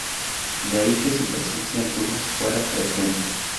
De ahí que su presencia en tumbas fuera frecuente.